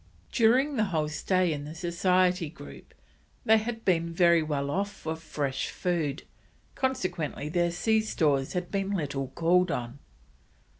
During the whole stay in the Society Group they had been very well off for fresh food, consequently their sea stores had been little called on.